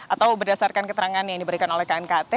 atau berdasarkan keterangan yang diberikan oleh knkt